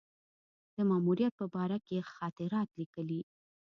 د ماموریت په باره کې یې خاطرات لیکلي.